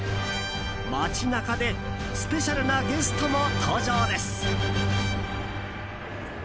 街中でスペシャルなゲストも登場です。